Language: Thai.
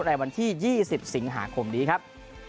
ในวันที่๒๐สิงหาคมนี้ครับ